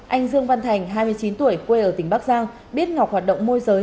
anh dương văn thành hai mươi chín tuổi quê ở tỉnh bắc giang biết ngọc hoạt động môi giới